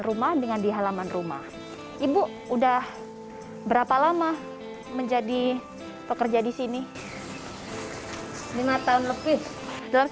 rumah dengan di halaman rumah ibu udah berapa lama menjadi pekerja di sini lima tahun lebih dalam